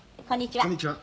「こんにちは」